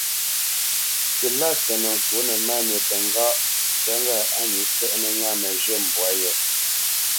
Silásə nə́ ŋkwǒ nə́ Máni tə ŋgáʼ ntyá ŋgâʼ á nǐ fɛ́ʼnə̄ ŋâ məzhə̂ mbwǎ yé.